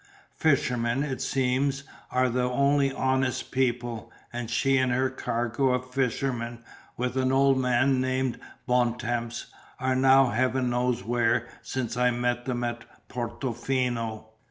Fishermen, it seems, are the only honest people, and she and her cargo of fishermen, with an old man named Bontemps, are now heaven knows where since I met them at Portofino.